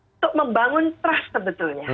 untuk membangun trust sebetulnya